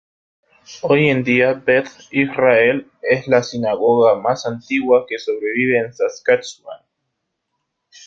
Hoy en día, Beth Israel es la "sinagoga más antigua que sobrevive en Saskatchewan".